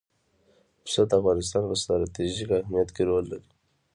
پسه د افغانستان په ستراتیژیک اهمیت کې رول لري.